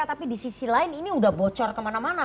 tapi di sisi lain ini sudah bocor kemana mana